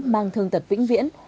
mang thương tật vĩnh viễn